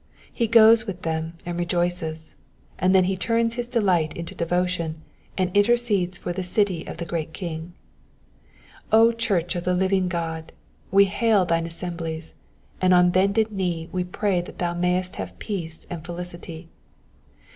He goes with them and rejoices, and then he turns his delight into devotion, and intercedes for the city of the great King. O church of the living God, we hail thine assemblies, and on bended knee we pray that thou mayest have peace and felicity.